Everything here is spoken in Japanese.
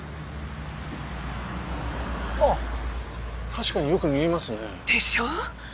確かによく見えますね。でしょ？